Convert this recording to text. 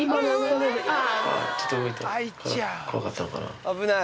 ちょっと動いた怖かったのかな。